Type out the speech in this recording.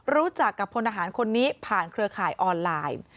รู้จักกับพลทหารคนนี้ผ่านเครือข่ายออนไลน์